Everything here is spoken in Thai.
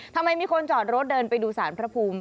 ทำไมมีคนจอดรถเดินไปดูสารพระภูมิ